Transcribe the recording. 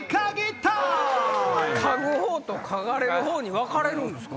嗅ぐ方と嗅がれる方に分かれるんですか？